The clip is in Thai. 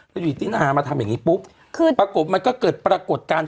แล้วอยู่ติ๊นอามาทำอย่างนี้ปุ๊บมันก็เกิดปรากฏการณ์